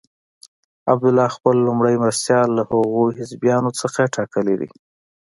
عبدالله خپل لومړی مرستیال له هغو حزبیانو څخه ټاکلی دی.